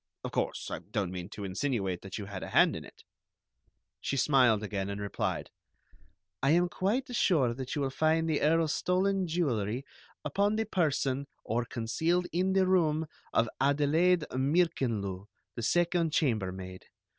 Of course, I don't mean to insinuate that you had a hand in it." She smiled again, and replied: "I am quite sure that you will find the Earl's stolen jewelry upon the person or concealed in the room of Adelaide Meerckenloo, the second chambermaid.